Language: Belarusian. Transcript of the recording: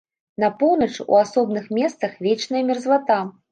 На поўначы ў асобных месцах вечная мерзлата.